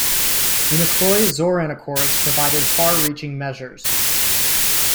The McCloy-Zorin Accords provided far-reaching measures.